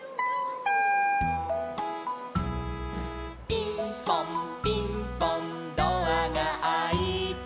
「ピンポンピンポンドアがあいて」